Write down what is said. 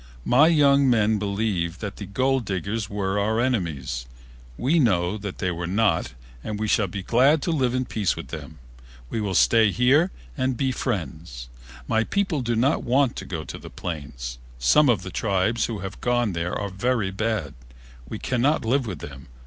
My young men believed that the gold diggers were our enemies. We now know they are not and we shall be glad to live in peace with them. We will stay here and be friends. My people do not want to go to the plains. Some of the tribes who have gone there are very bad. We cannot live with them.